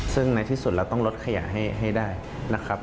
ซึ่งในที่สุดเราต้องลดขยะให้ได้นะครับ